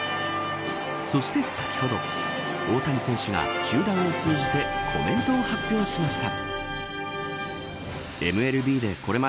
そして、先ほど大谷選手が、球団を通じてコメントを発表しました。